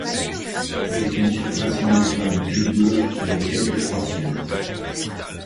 C'est une surface uniforme gris-bleu avec quelques froissures.